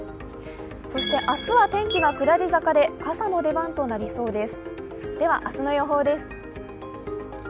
そして明日は天気が下り坂で傘の出番となりそうです。